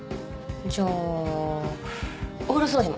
じゃあお風呂掃除も。